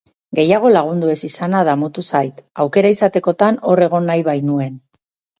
Gehiago lagundu ez izana damutu zait, aukera izatekotan hor egon nahi bainuen.